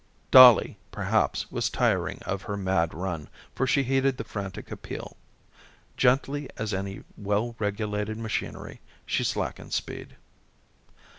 Dollie perhaps was tiring of her mad run, for she heeded the frantic appeal. Gently as any well regulated machinery, she slackened speed.